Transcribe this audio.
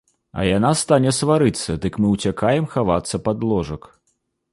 А яна стане сварыцца, дык мы ўцякаем хавацца пад ложак.